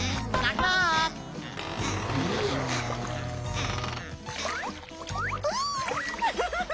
ンフフフフ！